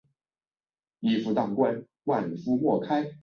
只设有月台而没有站舍。